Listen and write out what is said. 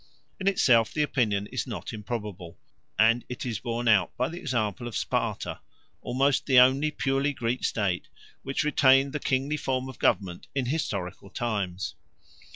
In itself the opinion is not improbable, and it is borne out by the example of Sparta, almost the only purely Greek state which retained the kingly form of government in historical times.